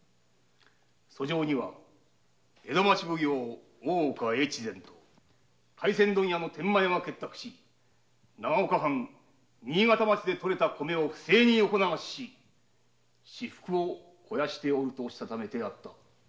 訴状には「江戸町奉行・大岡越前と廻船問屋・天満屋が結託し長岡藩新潟町で取れた米を不正に横流しし私腹を肥やしている」と認めてあった。